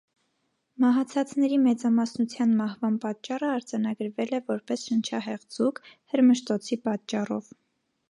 Մահացածների մեծամասնության մահվան պատճառը արձանագրվել է որպես շնչահեղձուկ՝ հրմշտոցի պատճառով։